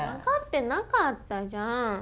分かってなかったじゃん。